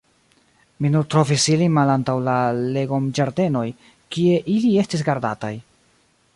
Ni nur trovis ilin malantaŭ la legomĝardenoj, kie ili estis gardataj.